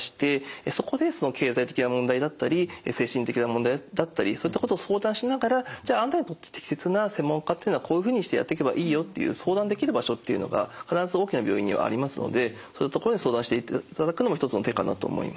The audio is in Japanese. そこでその経済的な問題だったり精神的な問題だったりそういったことを相談しながらじゃああなたにとって適切な専門家というのはこういうふうにしてやっていけばいいよっていう相談できる場所っていうのが必ず大きな病院にはありますのでそういう所に相談していただくのも一つの手かなと思います。